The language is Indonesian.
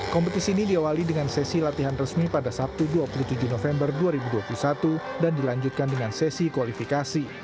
kompetisi ini diawali dengan sesi latihan resmi pada sabtu dua puluh tujuh november dua ribu dua puluh satu dan dilanjutkan dengan sesi kualifikasi